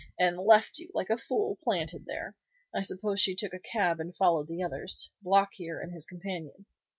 and left you like a fool planted there. I suppose she took a cab and followed the others, Block here and his companion."